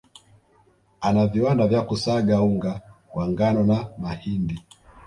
Ana viwanda vya kusaga unga wa ngano na mahindi